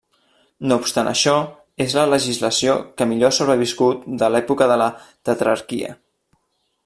No obstant això, és la legislació que millor ha sobreviscut de l'època de la tetrarquia.